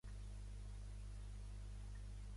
Havia lograt tenir crèdit i havia lograt no fer-lo servir